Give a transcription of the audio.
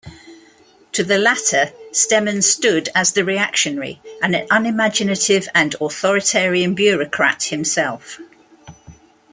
To the latter Stemann stood as the reactionary, an unimaginative and authoritarian bureaucrat himself.